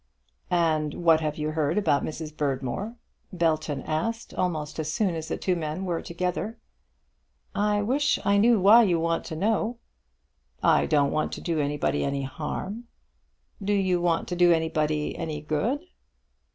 "And what have you heard about Mrs. Berdmore?" Belton asked, almost as soon as the two men were together. "I wish I knew why you want to know." "I don't want to do anybody any harm." "Do you want to do anybody any good?"